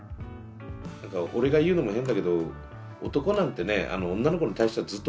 なんか俺が言うのも変だけど男なんてね女の子に対してはずっと勉強よ。